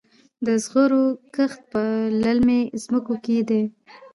د زغرو کښت په للمي ځمکو کې دی.